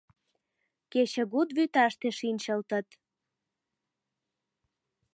Кечыгут вӱташте шинчылтыт.